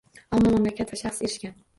Ammo mamlakat va shaxs erishgan.